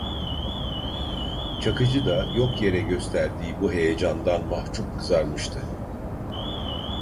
Çakıcı da yok yere gösterdiği bu heyecandan mahcup kızarmıştı.